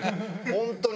本当に。